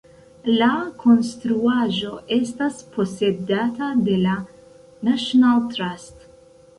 La konstruaĵo estas posedata de la National Trust.